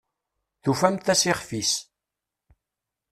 Tufamt-as ixf-is.